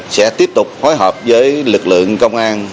sẽ tiếp tục phối hợp với lực lượng công an